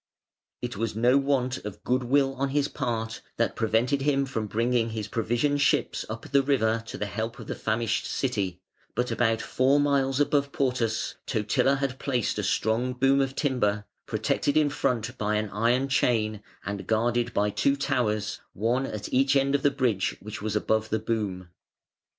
It was no want of good will on his part that prevented him from bringing his provision ships up the river to the help of the famished City, but about four miles above Portus Totila had placed a strong boom of timber, protected in front by an iron chain and guarded by two towers, one at each end of the bridge which was above the boom.